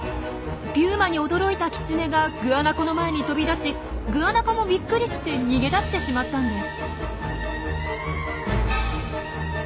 ピューマに驚いたキツネがグアナコの前に飛び出しグアナコもびっくりして逃げ出してしまったんです。